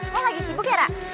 lo lagi sibuk ya ra